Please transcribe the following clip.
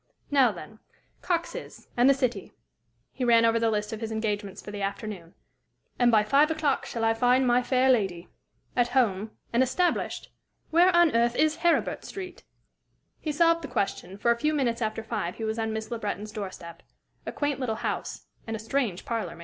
"Now, then, Cox's and the City" he ran over the list of his engagements for the afternoon "and by five o'clock shall I find my fair lady at home and established? Where on earth is Heribert Street?" He solved the question, for a few minutes after five he was on Miss Le Breton's doorstep. A quaint little house and a strange parlor maid!